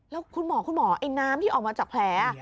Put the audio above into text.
แล้วคุณหมอน้ำที่ออกมาจากแผล